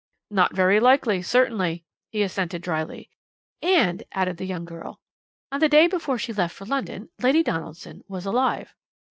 "Not very likely, certainly," he assented drily. "And," added the young girl, "on the day before she left for London, Lady Donaldson was alive."